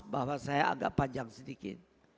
bahwa saya agak panjang sedikit